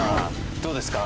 どうですか？